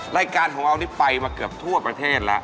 รายการของเรานี่ไปมาเกือบทั่วประเทศแล้ว